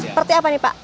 seperti apa nih pak